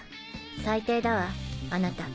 最低だわあなた。